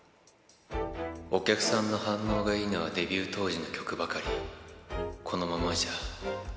お客さんの反応がいいのはデビュー当時の曲ばかり。